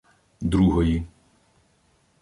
Другої